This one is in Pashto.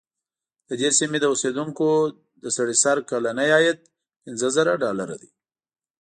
د دې سیمې د اوسېدونکو د سړي سر کلنی عاید پنځه زره ډالره دی.